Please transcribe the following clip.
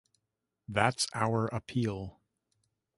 That's our appeal.